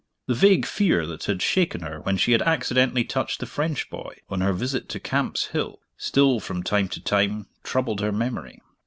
The vague fear that had shaken her when she had accidentally touched the French boy, on her visit to Camp's Hill, still from time to time troubled her memory.